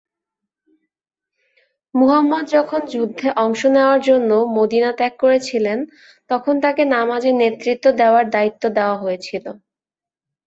মুহাম্মদ যখন যুদ্ধে অংশ নেওয়ার জন্য মদীনা ত্যাগ করেছিলেন, তখন তাকে নামাজের নেতৃত্ব দেওয়ার দায়িত্ব দেওয়া হয়েছিল।